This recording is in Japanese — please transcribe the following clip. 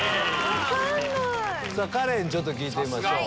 カレンにちょっと聞いてみましょう。